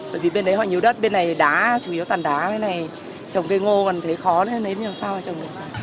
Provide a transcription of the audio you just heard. bởi vì bên đấy họ nhiều đất bên này đá chủ yếu tàn đá bên này trồng cây ngô còn thấy khó nên làm sao mà trồng được